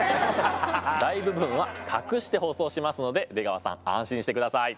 大部分は隠して放送しますので出川さん安心してください。